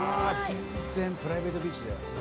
全然プライベートビーチだよ。